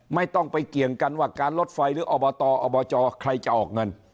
ไม่ต้องไปเกี่ยงกันว่าการลดไฟหรืออบตอบจใครจะออกเงิน